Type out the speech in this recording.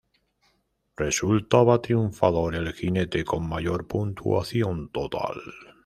Resultaba triunfador el jinete con mayor puntuación total.